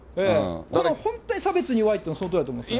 これ、本当に差別に弱いっていうのは、そのとおりだと思いますね。